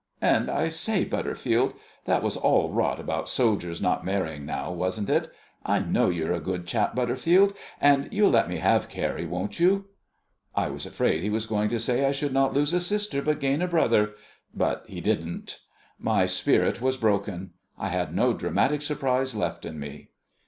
And, I say, Butterfield. That was all rot about soldiers not marrying, now, wasn't it? I know you're a good chap, Butterfield, and you'll let me have Carrie, won't you?" I was afraid he was going to say I should not lose a sister but gain a brother; but he didn't. My spirit was broken; I had no dramatic surprise left in me.